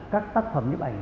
các tác phẩm nhếp ảnh